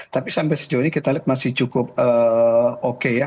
tapi sampai sejauh ini kita lihat masih cukup oke ya